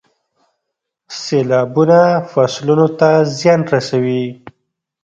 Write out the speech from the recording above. سیلابونه فصلونو ته زیان رسوي.